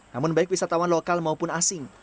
namun baik wisatawan lokal maupun asing